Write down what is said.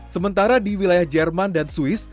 sementara di wilayah jerman dan swiss